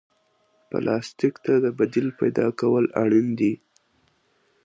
پلاستيک ته د بدیل پیدا کول اړین دي.